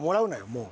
もう。